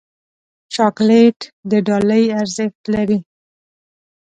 چاکلېټ د ډالۍ ارزښت لري.